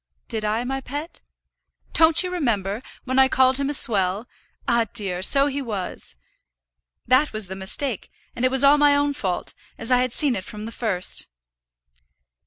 "Did I, my pet?" "Don't you remember, when I called him a swell? Ah, dear! so he was. That was the mistake, and it was all my own fault, as I had seen it from the first."